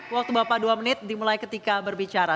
waktu bapak dua menit dimulai ketika berbicara